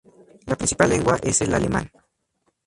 La principal lengua es el alemán.